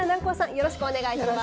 よろしくお願いします。